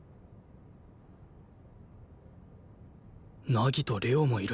凪と玲王もいる